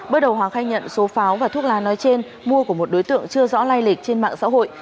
bước đầu hòa khai nhận số pháo và thuốc lá nói trên mua của một đối tượng chưa rõ lai lịch trên mạng xã hội